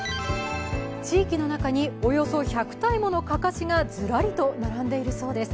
地域の中におよそ１００体ものかかしがずらりと並んでいるそうです。